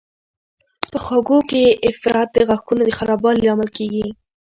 په خوږو کې افراط د غاښونو د خرابوالي لامل کېږي.